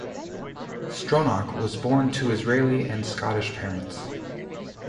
Stronach was born to Israeli and Scottish parents.